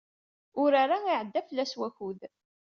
Urar-a iɛedda fell-as wakud.